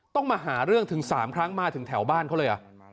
ต้องมาหาเรื่องถึง๓ครั้งมาถึงแถวบ้านเขาเลย